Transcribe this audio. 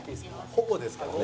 保護ですからね。